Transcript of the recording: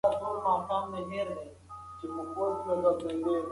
په اسلام کي پر یتیمانو رحم پکار دی.